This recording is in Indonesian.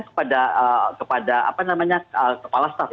kepada kepala staff